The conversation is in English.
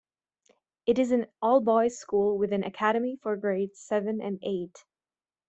It is an all-boys school with an academy for grades seven and eight.